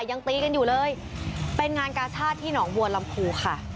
ยังตีกันอยู่เลยเป็นงานกาชาติที่หนองบัวลำพูค่ะ